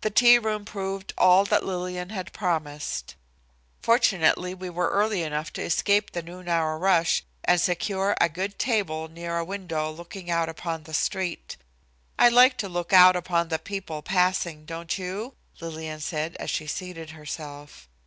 The tea room proved all that Lillian had promised. Fortunately, we were early enough to escape the noon hour rush and secure a good table near a window looking out upon the street. "I like to look out upon the people passing, don't you?" Lillian said, as she seated herself.